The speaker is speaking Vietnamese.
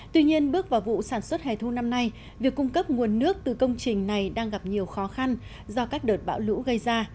tuy nhiên bước vào vụ sản xuất hè thu năm nay việc cung cấp nguồn nước từ công trình này đang gặp nhiều khó khăn do các đợt bão lũ gây ra